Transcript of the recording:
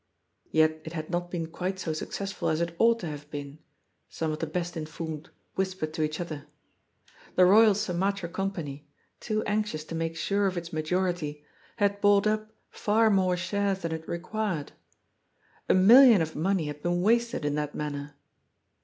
Yet it had not been quite so successful as it ought to have been, some of the best in formed whispered to each other. The Royal Sumatra Com pany, too anxious to make sure of its majority, had bought up far more shares than it required. A million of money had been wasted in that manner.